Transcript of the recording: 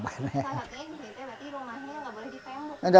bukannya rumahnya tidak boleh dipanggung